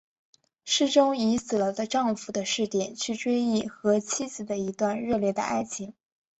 诗中以死了的丈夫的视点去追忆和妻子的一段热烈的爱情。